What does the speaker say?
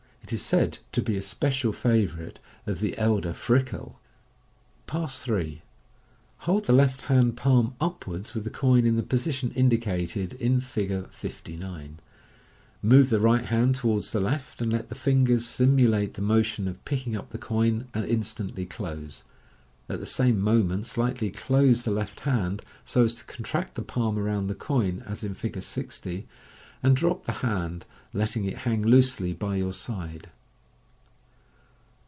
It is said to be a special favourite of the elder Frikell. Pass 3. — Hold the left hand palm upwards, with the coin in the position indicated in Fig. 59. Move the right hand towards the left, and let the fingers simulate the motion of picking up the Goin, and instantly close. At the same moment slightly close the left hand, so as to contract, the palm around the coin, as in Fig. 60, and drop the hand, letting it harg loosely by your side.